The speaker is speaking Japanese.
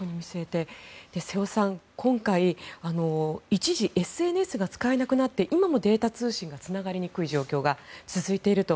瀬尾さん、今回一時ＳＮＳが使えなくなって今もデータ通信がつながりにくい状況が続いていると。